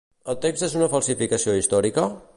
El text és una falsificació històrica?